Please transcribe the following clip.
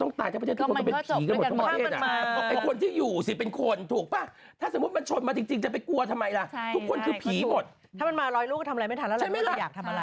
นางคิดแบบว่าไม่ไหวแล้วไปกด